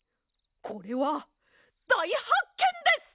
これはだいはっけんです！